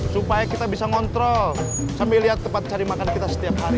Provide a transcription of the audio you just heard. supaya kita bisa ngontrol sambil lihat tempat cari makan kita setiap hari